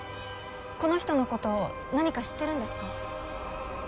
この人の事を何か知ってるんですか？